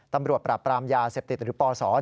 ตำรวจปราบปรามยาเสพติดหรือปศ